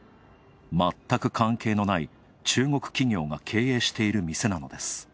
全く関係のない、中国企業が経営している店なのです。